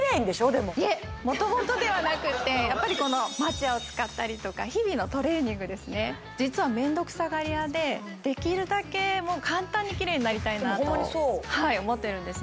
でもいえ元々ではなくてやっぱりこのマチュアを使ったりとか日々のトレーニングですね実は面倒くさがりやでできるだけホンマにそうはい思ってるんですね